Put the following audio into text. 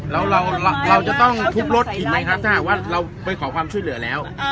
แล้วเราจะต้องทุบรถอีกไหมครับถ้าหากว่าเราไปขอความช่วยเหลือแล้ว